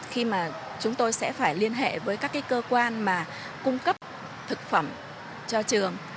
khi mà chúng tôi sẽ phải liên hệ với các cơ quan mà cung cấp thực phẩm cho trường